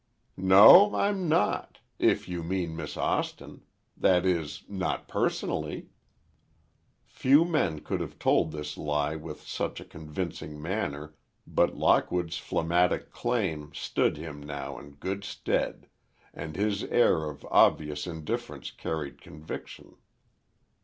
"No; I'm not—if you mean Miss Austin. That is, not personally." Few men could have told this lie with such a convincing manner but Lockwood's phlegmatic calm stood him now in good stead, and his air of obvious indifference carried conviction.